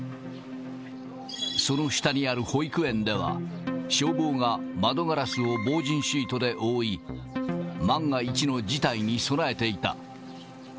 その下にある保育園では、消防が窓ガラスを防じんシートで覆い、万が一の事態に備えていた。